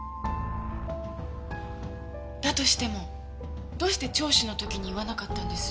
だとしてもどうして聴取の時に言わなかったんです？